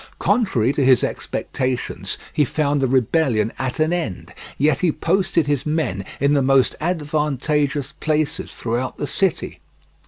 Contrary to his expectations, he found the rebellion at an end, yet he posted his men in the most advantageous places throughout the city.